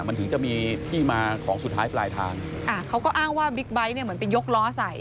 มันถึงจะมีที่มาของสุดท้ายปลายทางอ่าเขาก็อ้างว่าบิ๊กไบท์เนี่ยเหมือนไปยกล้อใส่